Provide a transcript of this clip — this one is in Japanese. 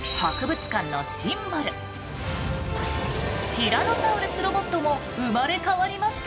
ティラノサウルスロボットも生まれ変わりました。